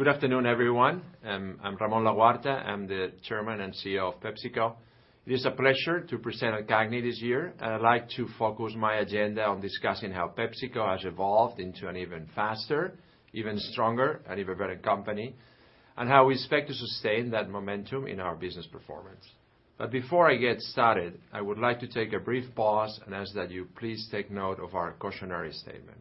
Good afternoon, everyone. I'm Ramon Laguarta. I'm the Chairman and CEO of PepsiCo. It is a pleasure to present at CAGNY this year. I'd like to focus my agenda on discussing how PepsiCo has evolved into an even faster, even stronger, and even better company, and how we expect to sustain that momentum in our business performance. Before I get started, I would like to take a brief pause and ask that you please take note of our cautionary statement.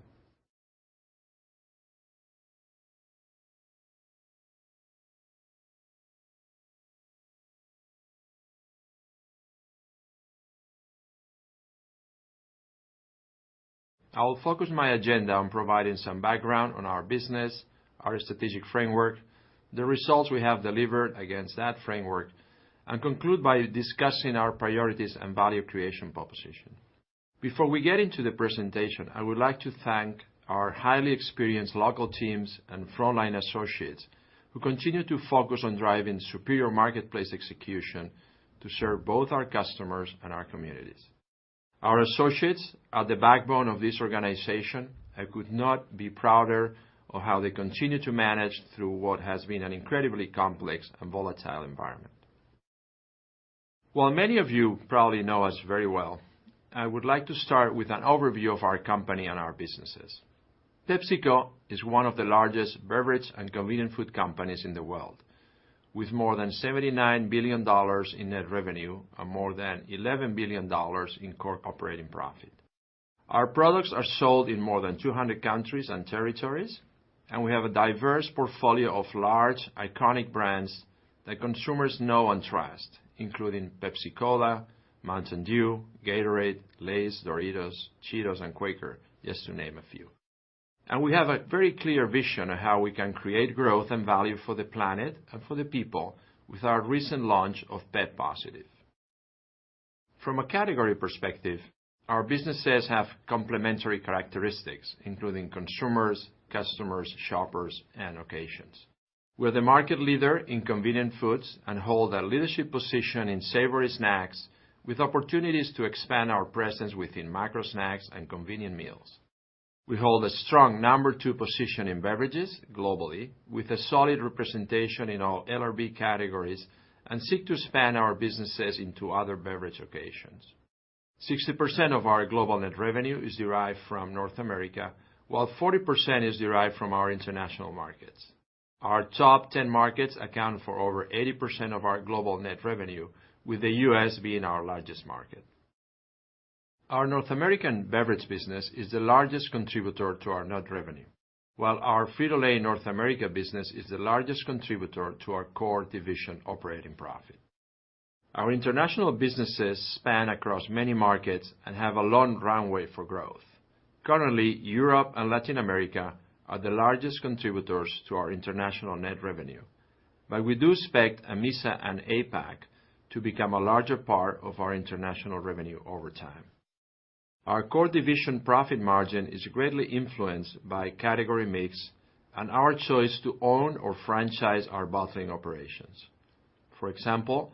I will focus my agenda on providing some background on our business, our strategic framework, the results we have delivered against that framework, and conclude by discussing our priorities and value creation proposition. Before we get into the presentation, I would like to thank our highly experienced local teams and frontline associates who continue to focus on driving superior marketplace execution to serve both our customers and our communities. Our associates are the backbone of this organization. I could not be prouder of how they continue to manage through what has been an incredibly complex and volatile environment. While many of you probably know us very well, I would like to start with an overview of our company and our businesses. PepsiCo is one of the largest beverage and convenient food companies in the world, with more than $79 billion in net revenue and more than $11 billion in core operating profit. Our products are sold in more than 200 countries and territories, and we have a diverse portfolio of large iconic brands that consumers know and trust, including Pepsi Cola, Mountain Dew, Gatorade, Lay's, Doritos, Cheetos, and Quaker, just to name a few. We have a very clear vision of how we can create growth and value for the planet and for the people with our recent launch of pep+. From a category perspective, our businesses have complementary characteristics, including consumers, customers, shoppers, and occasions. We're the market leader in convenient foods and hold a leadership position in savory snacks with opportunities to expand our presence within macro snacks and convenient meals. We hold a strong number two position in beverages globally with a solid representation in all LRB categories and seek to expand our businesses into other beverage occasions. 60% of our global net revenue is derived from North America, while 40% is derived from our international markets. Our top 10 markets account for over 80% of our global net revenue, with the U.S. being our largest market. Our North American beverage business is the largest contributor to our net revenue, while our Frito-Lay North America business is the largest contributor to our core division operating profit. Our international businesses span across many markets and have a long runway for growth. Currently, Europe and Latin America are the largest contributors to our international net revenue, but we do expect AMESA and APAC to become a larger part of our international revenue over time. Our core division profit margin is greatly influenced by category mix and our choice to own or franchise our bottling operations. For example,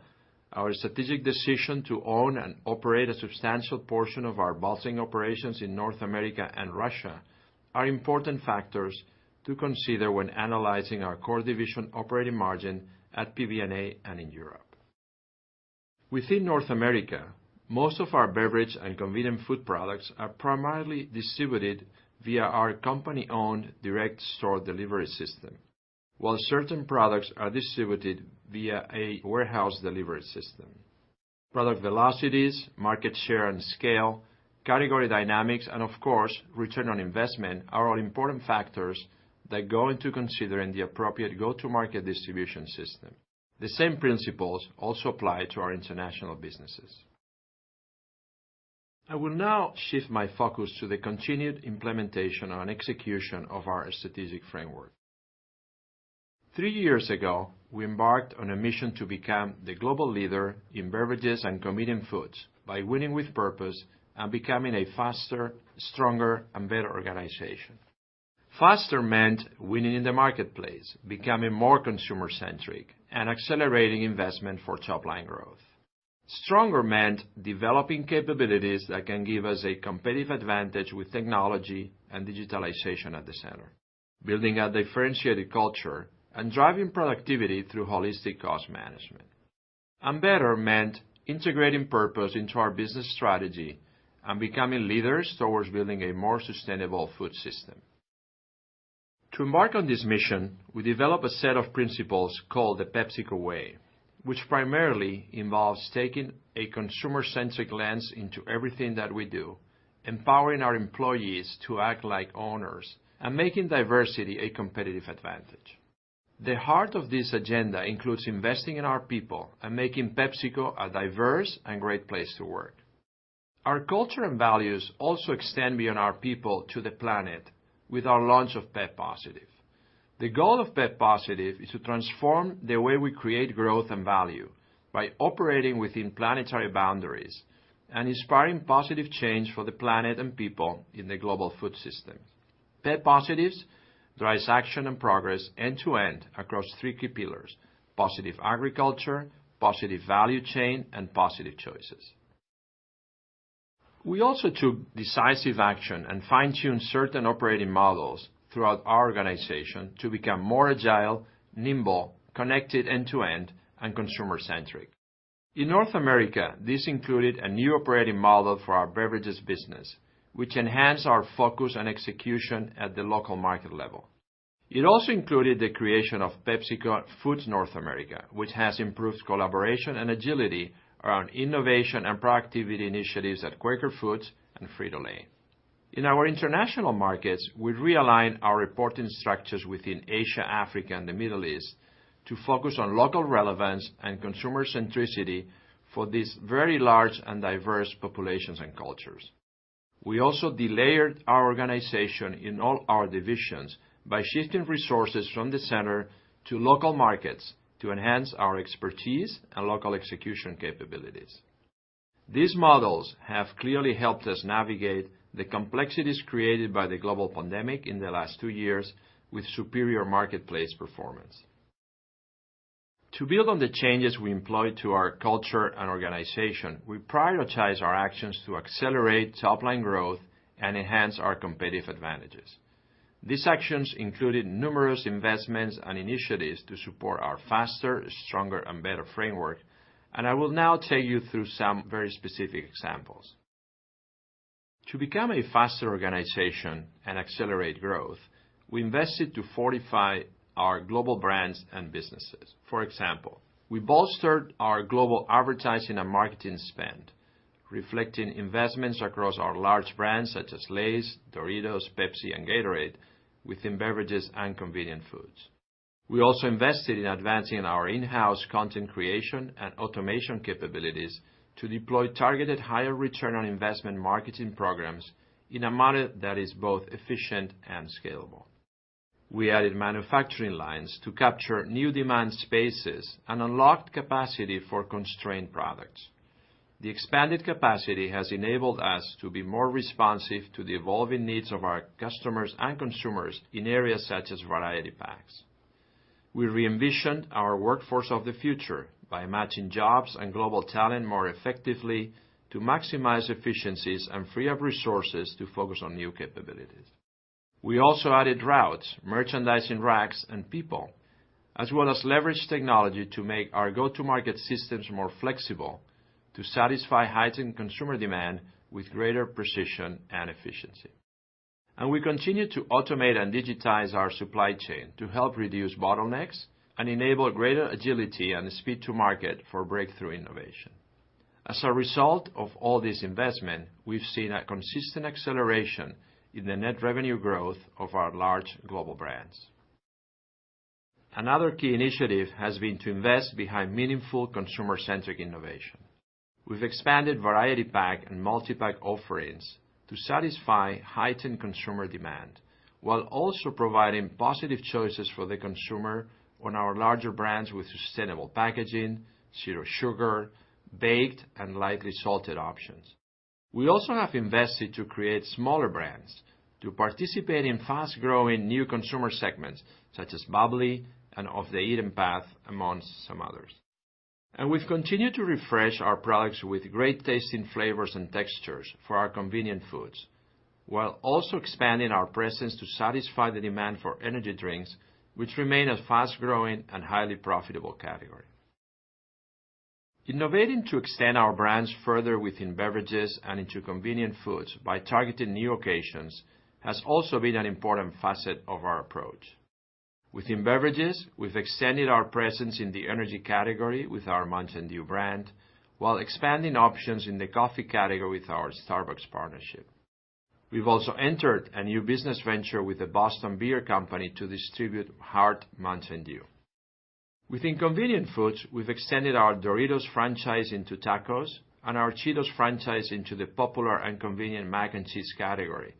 our strategic decision to own and operate a substantial portion of our bottling operations in North America and Russia are important factors to consider when analyzing our core division operating margin at PBNA and in Europe. Within North America, most of our beverage and convenient food products are primarily distributed via our company-owned direct store delivery system, while certain products are distributed via a warehouse delivery system. Product velocities, market share and scale, category dynamics, and of course, return on investment are all important factors that go into considering the appropriate go-to market distribution system. The same principles also apply to our international businesses. I will now shift my focus to the continued implementation and execution of our strategic framework. Three years ago, we embarked on a mission to become the global leader in beverages and convenient foods by winning with purpose and becoming a faster, stronger, and better organization. Faster meant winning in the marketplace, becoming more consumer centric, and accelerating investment for top line growth. Stronger meant developing capabilities that can give us a competitive advantage with technology and digitalization at the center, building a differentiated culture, and driving productivity through holistic cost management. Better meant integrating purpose into our business strategy and becoming leaders towards building a more sustainable food system. To embark on this mission, we developed a set of principles called the PepsiCo Way, which primarily involves taking a consumer-centric lens into everything that we do, empowering our employees to act like owners, and making diversity a competitive advantage. The heart of this agenda includes investing in our people and making PepsiCo a diverse and great place to work. Our culture and values also extend beyond our people to the planet with our launch of pep+. The goal of pep+ is to transform the way we create growth and value by operating within planetary boundaries and inspiring positive change for the planet and people in the global food system. pep+ drives action and progress end to end across three key pillars: positive agriculture, positive value chain, and positive choices. We also took decisive action and fine-tuned certain operating models throughout our organization to become more agile, nimble, connected end to end, and consumer centric. In North America, this included a new operating model for our beverages business, which enhanced our focus and execution at the local market level. It also included the creation of PepsiCo Foods North America, which has improved collaboration and agility around innovation and productivity initiatives at Quaker Foods and Frito-Lay. In our international markets, we realigned our reporting structures within Asia, Africa, and the Middle East to focus on local relevance and consumer centricity for these very large and diverse populations and cultures. We also delayered our organization in all our divisions by shifting resources from the center to local markets to enhance our expertise and local execution capabilities. These models have clearly helped us navigate the complexities created by the global pandemic in the last two years with superior marketplace performance. To build on the changes we employed to our culture and organization, we prioritize our actions to accelerate top-line growth and enhance our competitive advantages. These actions included numerous investments and initiatives to support our faster, stronger, and better framework, and I will now take you through some very specific examples. To become a faster organization and accelerate growth, we invested to fortify our global brands and businesses. For example, we bolstered our global advertising and marketing spend, reflecting investments across our large brands such as Lay's, Doritos, Pepsi, and Gatorade within beverages and convenient foods. We also invested in advancing our in-house content creation and automation capabilities to deploy targeted higher return on investment marketing programs in a model that is both efficient and scalable. We added manufacturing lines to capture new demand spaces and unlocked capacity for constrained products. The expanded capacity has enabled us to be more responsive to the evolving needs of our customers and consumers in areas such as variety packs. We re-envisioned our workforce of the future by matching jobs and global talent more effectively to maximize efficiencies and free up resources to focus on new capabilities. We also added routes, merchandising racks, and people, as well as leveraged technology to make our go-to market systems more flexible to satisfy heightened consumer demand with greater precision and efficiency. We continue to automate and digitize our supply chain to help reduce bottlenecks and enable greater agility and speed to market for breakthrough innovation. As a result of all this investment, we've seen a consistent acceleration in the net revenue growth of our large global brands. Another key initiative has been to invest behind meaningful consumer-centric innovation. We've expanded variety pack and multipack offerings to satisfy heightened consumer demand, while also providing positive choices for the consumer on our larger brands with sustainable packaging, zero sugar, baked, and lightly salted options. We also have invested to create smaller brands to participate in fast-growing new consumer segments, such as bubly and Off The Eaten Path, amongst some others. We've continued to refresh our products with great-tasting flavors and textures for our convenient foods, while also expanding our presence to satisfy the demand for energy drinks, which remain a fast-growing and highly profitable category. Innovating to extend our brands further within beverages and into convenient foods by targeting new occasions has also been an important facet of our approach. Within beverages, we've extended our presence in the energy category with our Mountain Dew brand, while expanding options in the coffee category with our Starbucks partnership. We've also entered a new business venture with the Boston Beer Company to distribute Hard Mtn Dew. Within convenient foods, we've extended our Doritos franchise into tacos and our Cheetos franchise into the popular and convenient mac and cheese category,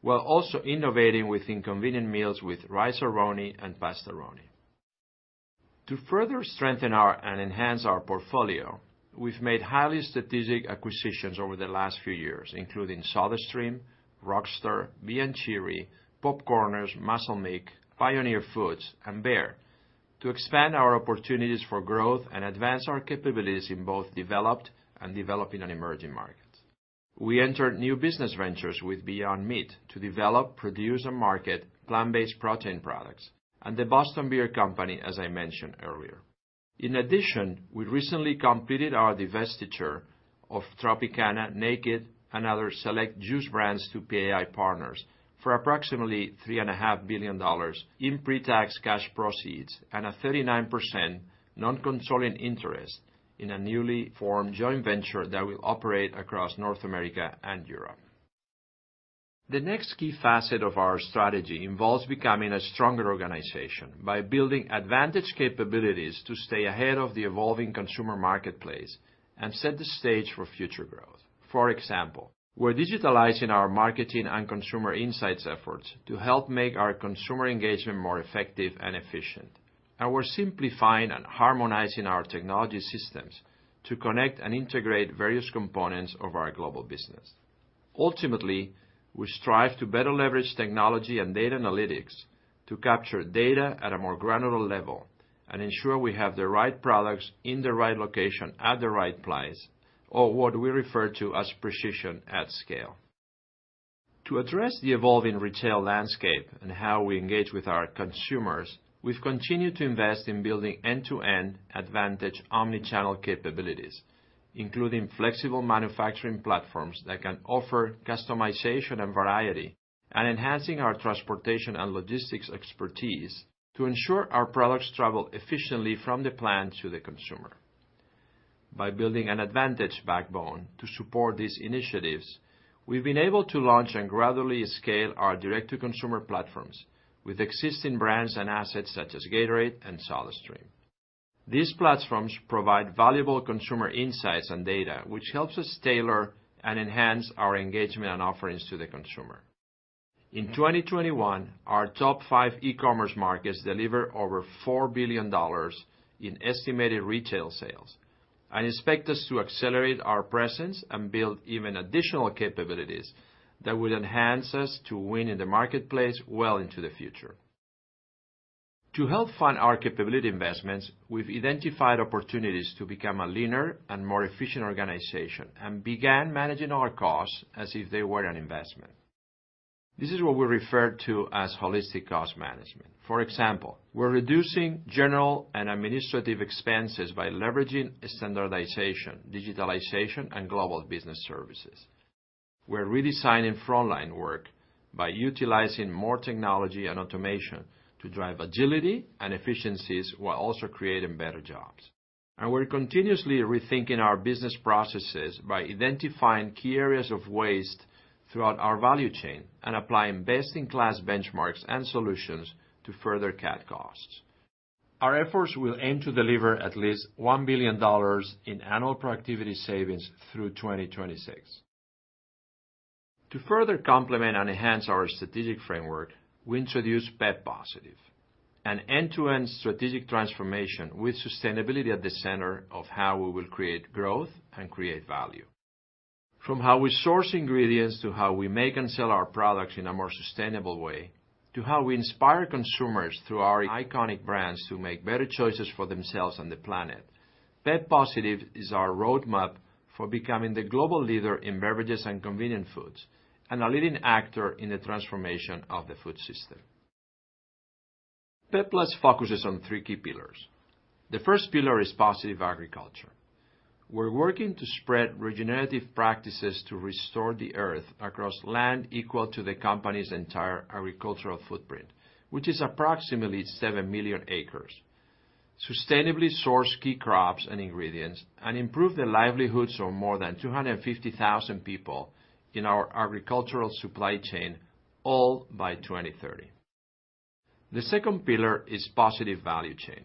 while also innovating within convenient meals with Rice-A-Roni and Pasta Roni. To further strengthen and enhance our portfolio, we've made highly strategic acquisitions over the last few years, including SodaStream, Rockstar, Mion Cherry, PopCorners, Muscle Milk, Pioneer Foods, and Bare to expand our opportunities for growth and advance our capabilities in both developed and developing and emerging markets. We entered new business ventures with Beyond Meat to develop, produce, and market plant-based protein products, and the Boston Beer Company, as I mentioned earlier. In addition, we recently completed our divestiture of Tropicana, Naked, and other select juice brands to PAI Partners for approximately $3.5 billion in pre-tax cash proceeds and a 39% non-controlling interest in a newly formed joint venture that will operate across North America and Europe. The next key facet of our strategy involves becoming a stronger organization by building advantage capabilities to stay ahead of the evolving consumer marketplace and set the stage for future growth. For example, we're digitalizing our marketing and consumer insights efforts to help make our consumer engagement more effective and efficient. We're simplifying and harmonizing our technology systems to connect and integrate various components of our global business. Ultimately, we strive to better leverage technology and data analytics to capture data at a more granular level and ensure we have the right products in the right location at the right price, or what we refer to as precision at scale. To address the evolving retail landscape and how we engage with our consumers, we've continued to invest in building end-to-end advantage omni-channel capabilities, including flexible manufacturing platforms that can offer customization and variety, and enhancing our transportation and logistics expertise to ensure our products travel efficiently from the plant to the consumer. By building an advantage backbone to support these initiatives, we've been able to launch and gradually scale our direct-to-consumer platforms with existing brands and assets such as Gatorade and SodaStream. These platforms provide valuable consumer insights and data, which helps us tailor and enhance our engagement and offerings to the consumer. In 2021, our top five e-commerce markets delivered over $4 billion in estimated retail sales and expect us to accelerate our presence and build even additional capabilities that will enhance us to win in the marketplace well into the future. To help fund our capability investments, we've identified opportunities to become a leaner and more efficient organization and began managing our costs as if they were an investment. This is what we refer to as holistic cost management. For example, we're reducing general and administrative expenses by leveraging standardization, digitalization, and global business services. We're redesigning frontline work by utilizing more technology and automation to drive agility and efficiencies while also creating better jobs. We're continuously rethinking our business processes by identifying key areas of waste throughout our value chain and applying best-in-class benchmarks and solutions to further cut costs. Our efforts will aim to deliver at least $1 billion in annual productivity savings through 2026. To further complement and enhance our strategic framework, we introduced pep+, an end-to-end strategic transformation with sustainability at the center of how we will create growth and create value. From how we source ingredients, to how we make and sell our products in a more sustainable way, to how we inspire consumers through our iconic brands to make better choices for themselves and the planet. pep+ is our roadmap for becoming the global leader in beverages and convenient foods, and a leading actor in the transformation of the food system. pep+ focuses on three key pillars. The first pillar is positive agriculture. We're working to spread regenerative practices to restore the Earth across land equal to the company's entire agricultural footprint, which is approximately 7 million acres. Sustainably source key crops and ingredients, and improve the livelihoods of more than 250,000 people in our agricultural supply chain, all by 2030. The second pillar is positive value chain.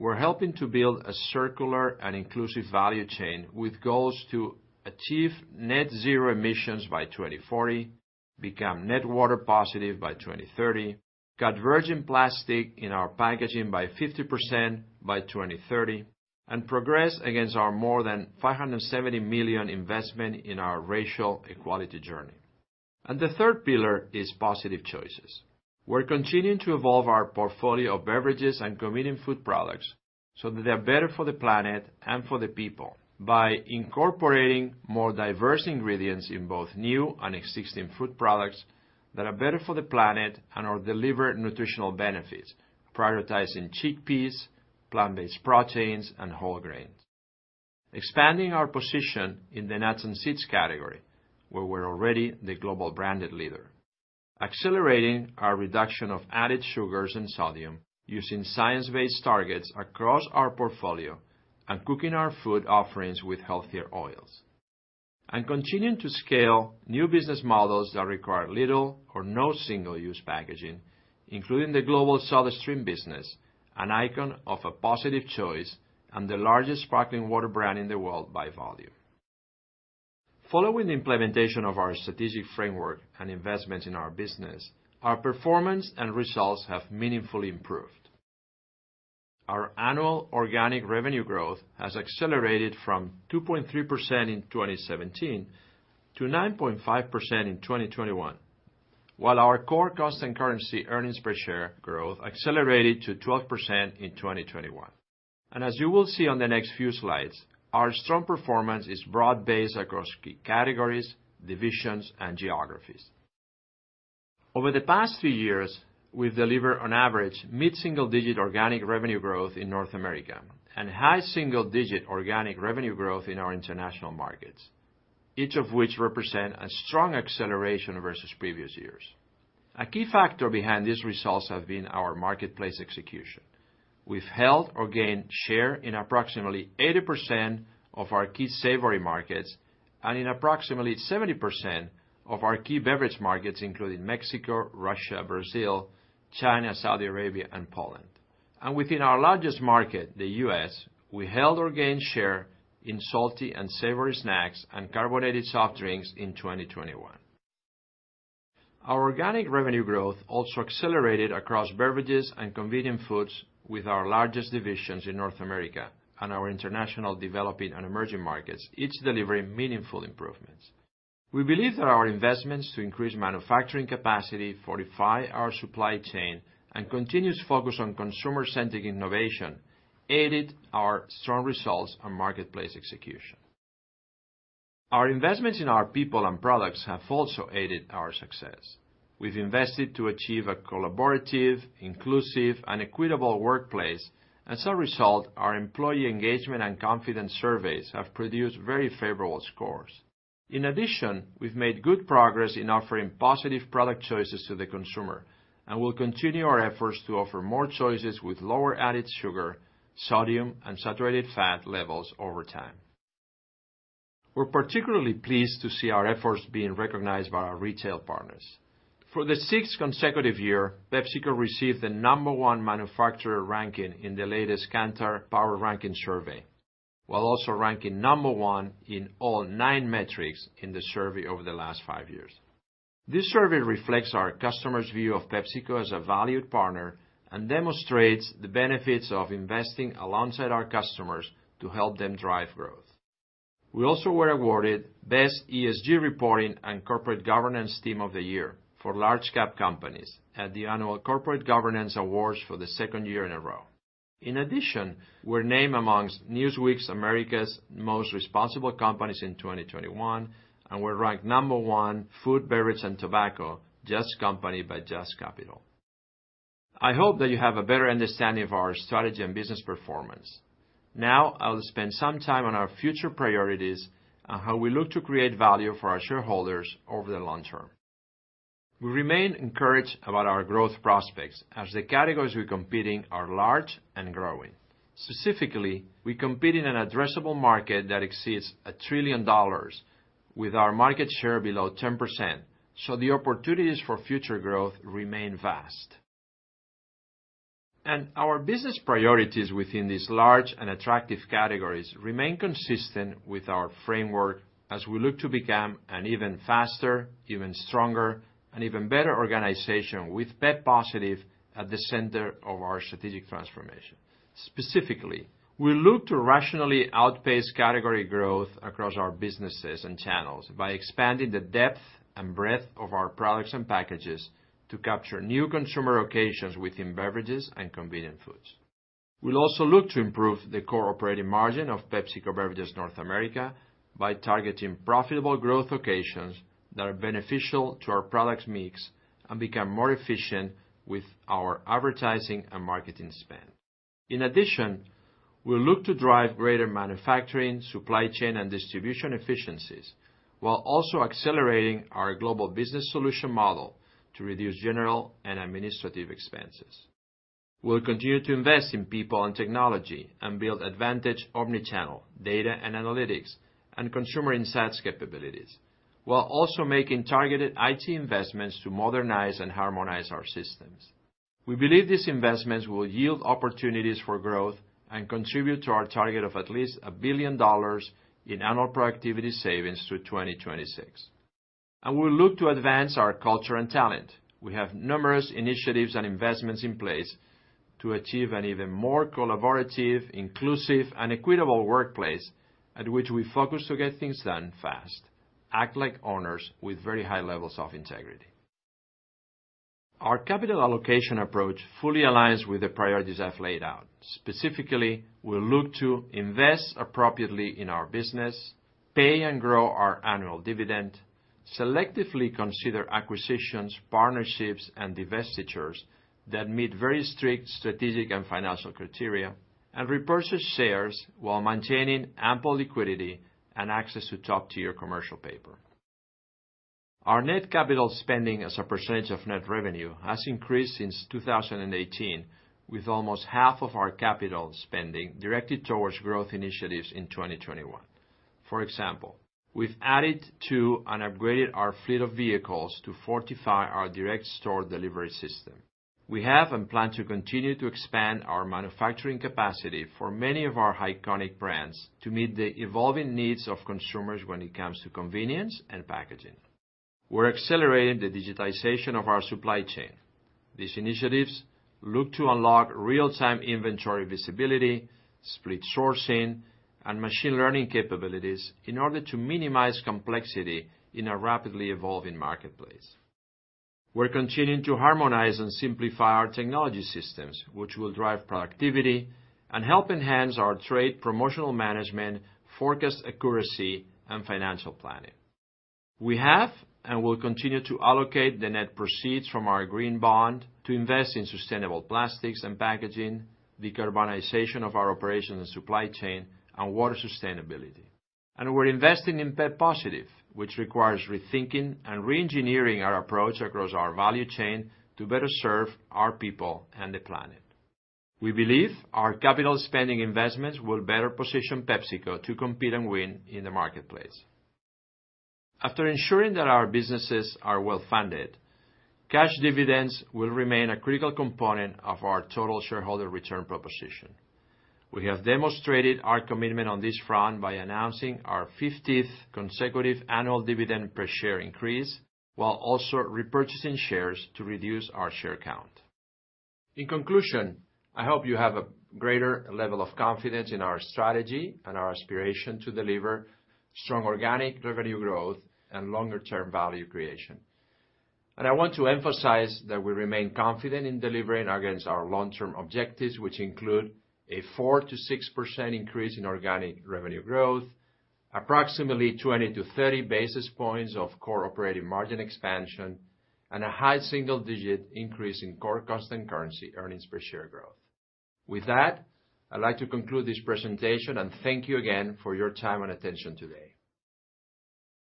We're helping to build a circular and inclusive value chain with goals to achieve net zero emissions by 2040, become net water positive by 2030, cut virgin plastic in our packaging by 50% by 2030, and progress against our more than $570 million investment in our racial equality journey. The third pillar is positive choices. We're continuing to evolve our portfolio of beverages and convenient food products so that they're better for the planet and for the people by incorporating more diverse ingredients in both new and existing food products that are better for the planet and are delivered nutritional benefits, prioritizing chickpeas, plant-based proteins, and whole grains. Expanding our position in the nuts and seeds category, where we're already the global branded leader. Accelerating our reduction of added sugars and sodium using science-based targets across our portfolio and cooking our food offerings with healthier oils. Continuing to scale new business models that require little or no single-use packaging, including the global SodaStream business, an icon of a positive choice and the largest sparkling water brand in the world by volume. Following the implementation of our strategic framework and investments in our business, our performance and results have meaningfully improved. Our annual organic revenue growth has accelerated from 2.3% in 2017 to 9.5% in 2021, while our core constant currency earnings per share growth accelerated to 12% in 2021. As you will see on the next few slides, our strong performance is broad-based across key categories, divisions, and geographies. Over the past few years, we've delivered on average mid-single digit organic revenue growth in North America and high single digit organic revenue growth in our international markets, each of which represent a strong acceleration versus previous years. A key factor behind these results have been our marketplace execution. We've held or gained share in approximately 80% of our key savory markets and in approximately 70% of our key beverage markets, including Mexico, Russia, Brazil, China, Saudi Arabia, and Poland. Within our largest market, the U.S., we held or gained share in salty and savory snacks and carbonated soft drinks in 2021. Our organic revenue growth also accelerated across beverages and convenient foods with our largest divisions in North America and our international developing and emerging markets, each delivering meaningful improvements. We believe that our investments to increase manufacturing capacity fortify our supply chain and continuous focus on consumer-centric innovation aided our strong results on marketplace execution. Our investments in our people and products have also aided our success. We've invested to achieve a collaborative, inclusive, and equitable workplace. As a result, our employee engagement and confidence surveys have produced very favorable scores. In addition, we've made good progress in offering positive product choices to the consumer, and we'll continue our efforts to offer more choices with lower added sugar, sodium, and saturated fat levels over time. We're particularly pleased to see our efforts being recognized by our retail partners. For the sixth consecutive year, PepsiCo received the number one manufacturer ranking in the latest Kantar PowerRanking Survey, while also ranking number one in all nine metrics in the survey over the last five years. This survey reflects our customer's view of PepsiCo as a valued partner and demonstrates the benefits of investing alongside our customers to help them drive growth. We also were awarded Best ESG Reporting and Corporate Governance Team of the Year for large cap companies at the Annual Corporate Governance Awards for the second year in a row. In addition, we're named among Newsweek's America's Most Responsible Companies in 2021, and we ranked number one food, beverage, and tobacco JUST Company by Just Capital. I hope that you have a better understanding of our strategy and business performance. Now, I'll spend some time on our future priorities on how we look to create value for our shareholders over the long term. We remain encouraged about our growth prospects as the categories we're competing are large and growing. Specifically, we compete in an addressable market that exceeds $1 trillion with our market share below 10%, so the opportunities for future growth remain vast. Our business priorities within these large and attractive categories remain consistent with our framework as we look to become an even faster, even stronger, and even better organization with pep+ at the center of our strategic transformation. Specifically, we look to rationally outpace category growth across our businesses and channels by expanding the depth and breadth of our products and packages to capture new consumer occasions within beverages and convenient foods. We'll also look to improve the core operating margin of PepsiCo Beverages North America by targeting profitable growth occasions that are beneficial to our products mix and become more efficient with our advertising and marketing spend. In addition, we look to drive greater manufacturing, supply chain, and distribution efficiencies, while also accelerating our global business solution model to reduce general and administrative expenses. We'll continue to invest in people and technology and build advantage omni-channel data and analytics and consumer insights capabilities, while also making targeted IT investments to modernize and harmonize our systems. We believe these investments will yield opportunities for growth and contribute to our target of at least $1 billion in annual productivity savings through 2026. We look to advance our culture and talent. We have numerous initiatives and investments in place to achieve an even more collaborative, inclusive, and equitable workplace at which we focus to get things done fast, act like owners with very high levels of integrity. Our capital allocation approach fully aligns with the priorities I've laid out. Specifically, we look to invest appropriately in our business, pay and grow our annual dividend, selectively consider acquisitions, partnerships, and divestitures that meet very strict strategic and financial criteria, and repurchase shares while maintaining ample liquidity and access to top-tier commercial paper. Our net capital spending as a percentage of net revenue has increased since 2018, with almost half of our capital spending directed towards growth initiatives in 2021. For example, we've added to and upgraded our fleet of vehicles to fortify our direct store delivery system. We have and plan to continue to expand our manufacturing capacity for many of our iconic brands to meet the evolving needs of consumers when it comes to convenience and packaging. We're accelerating the digitization of our supply chain. These initiatives look to unlock real-time inventory visibility, split sourcing, and machine learning capabilities in order to minimize complexity in a rapidly evolving marketplace. We're continuing to harmonize and simplify our technology systems, which will drive productivity and help enhance our trade promotional management, forecast accuracy, and financial planning. We have and will continue to allocate the net proceeds from our green bond to invest in sustainable plastics and packaging, the carbonization of our operations and supply chain, and water sustainability. We're investing in pep+, which requires rethinking and reengineering our approach across our value chain to better serve our people and the planet. We believe our capital spending investments will better position PepsiCo to compete and win in the marketplace. After ensuring that our businesses are well-funded, cash dividends will remain a critical component of our total shareholder return proposition. We have demonstrated our commitment on this front by announcing our fiftieth consecutive annual dividend per share increase, while also repurchasing shares to reduce our share count. In conclusion, I hope you have a greater level of confidence in our strategy and our aspiration to deliver strong organic revenue growth and longer-term value creation. I want to emphasize that we remain confident in delivering against our long-term objectives, which include a 4%-6% increase in organic revenue growth, approximately 20-30 basis points of core operating margin expansion, and a high single-digit increase in core constant currency earnings per share growth. With that, I'd like to conclude this presentation and thank you again for your time and attention today.